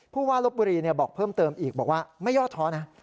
ผู้ว่าลบบุรีบอกเพิ่มเติมอีกบอกว่าไม่ย่อท้อนะ